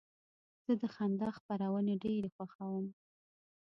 زه د خندا خپرونې ډېرې خوښوم.